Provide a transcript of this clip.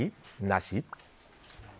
なし？